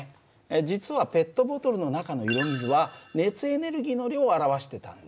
実はペットボトルの中の色水は熱エネルギーの量を表してたんだ。